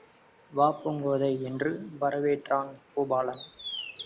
வா பூங்கோதை! என்று வரவேற்றான் பூபாலன்.